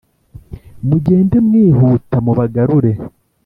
mugende mwihuta mu bagarure